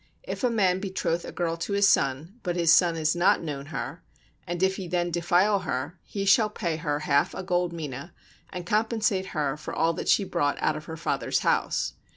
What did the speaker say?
If a man betroth a girl to his son, but his son has not known her, and if then he defile her, he shall pay her half a gold mina, and compensate her for all that she brought out of her father's house.